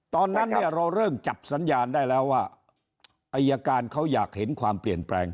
ตอนนั้นเนี่ยเราเริ่มจับสัญญาณได้แล้วว่าอายการเขาอยากเห็นความเปลี่ยนแปลง